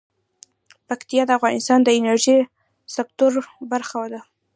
پکتیا د افغانستان د انرژۍ سکتور برخه ده.